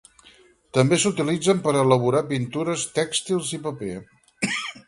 També s'utilitzen per a elaborar pintures, tèxtils i paper.